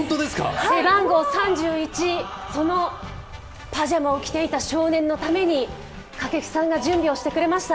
背番号３１のパジャマを着ていた少年のために掛布さんが準備をしてくれました。